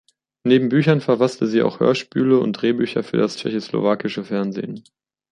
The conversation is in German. Neben Büchern verfasste sie auch Hörspiele und Drehbücher für das Tschechoslowakische Fernsehen.